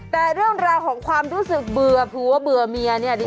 แต่เรื่องราวของความรู้สึกเบื่อผัวเบื่อเมียเนี่ย